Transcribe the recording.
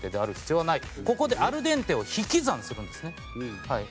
ここでアルデンテを引き算するんですねはい。